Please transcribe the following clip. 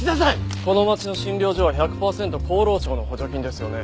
この町の診療所は１００パーセント厚労省の補助金ですよね？